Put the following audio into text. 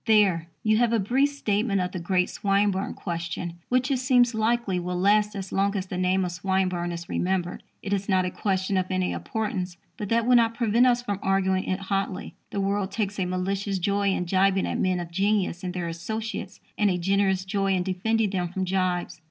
There you have a brief statement of the great Swinburne question, which, it seems likely, will last as long as the name of Swinburne is remembered. It is not a question of any importance; but that will not prevent us from arguing it hotly. The world takes a malicious joy in jibing at men of genius and their associates, and a generous joy in defending them from jibes.